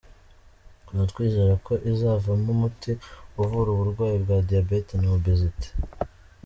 Tukaba twizera ko izavamo umuti uvura uburwayi bwa diabète na obésité.